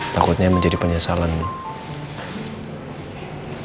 takutnya menjadi penyesalanmu